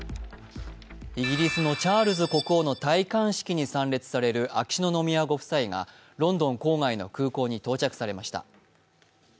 イギリスのチャールズ国王の戴冠式に参列する秋篠宮ご夫妻が、ロンドン郊外の空港に到着されました。